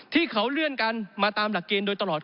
ที่เขาเลื่อนกันมาตามหลักเกณฑ์โดยตลอด